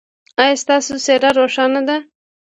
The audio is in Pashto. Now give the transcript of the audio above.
ایا ستاسو څیره روښانه ده؟